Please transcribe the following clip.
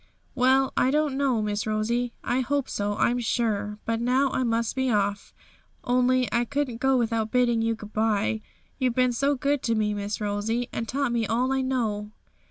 'Well, I don't know, Miss Rosie; I hope so, I'm sure. But now I must be off; only I couldn't go without bidding you good bye; you've been so good to me, Miss Rosie, and taught me all I know.'